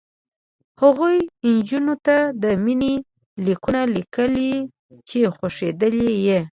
هغو نجونو ته د مینې لیکونه لیکل چې خوښېدلې یې